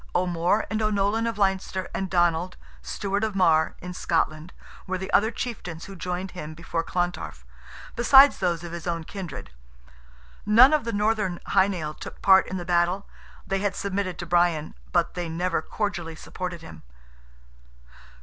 O'More and O'Nolan of Leinster, and Donald, Steward of Marr, in Scotland, were the other chieftains who joined him before Clontarf, besides those of his own kindred. None of the Northern Hy Nial took part in the battle—they had submitted to Brian, but they never cordially supported him.